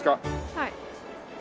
はい。